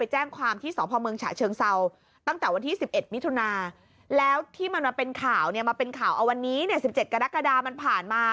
ห้าห้าห้าห้า